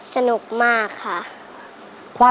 สนุกมากค่ะ